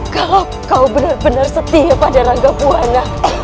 kalau kau benar benar setia pada rangka pulwana